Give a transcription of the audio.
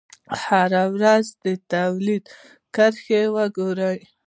هره ورځ د تولید کرښه وګورئ.